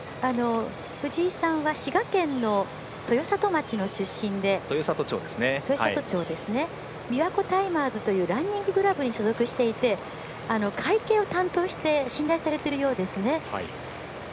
藤井さんは滋賀県のとよさと町の出身でびわこタイマーズというランニングクラブに所属していて会計を担当して信頼されているんです。